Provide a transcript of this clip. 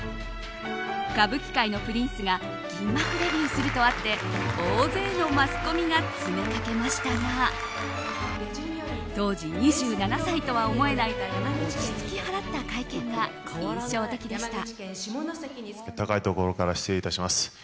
歌舞伎界のプリンスが銀幕デビューするとあって大勢のマスコミが詰めかけましたが当時２７歳とは思えない落ち着き払った会見が印象的でした。